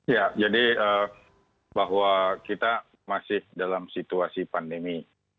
ya jadi bahwa kita masih dalam situasi pandemi